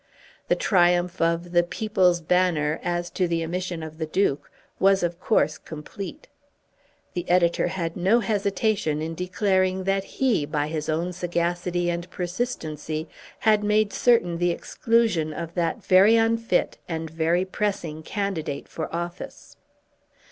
The triumph of the "People's Banner," as to the omission of the Duke, was of course complete. The editor had no hesitation in declaring that he, by his own sagacity and persistency, had made certain the exclusion of that very unfit and very pressing candidate for office.